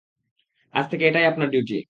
আজ থেকে এটাই আপনার ডিউটি।